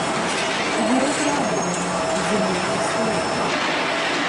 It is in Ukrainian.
Город радий, земля весела